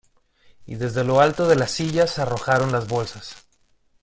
y desde lo alto de las sillas arrojaron las bolsas.